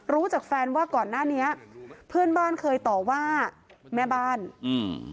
จากแฟนว่าก่อนหน้านี้เพื่อนบ้านเคยต่อว่าแม่บ้านอืม